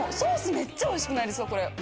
めっちゃおいしくないですか？